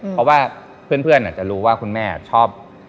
เพราะว่าเพื่อนอาจจะรู้ว่าคุณแม่ชอบ